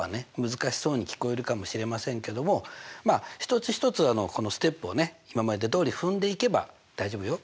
難しそうに聞こえるかもしれませんけども一つ一つこのステップをね今までどおり踏んでいけば大丈夫よ。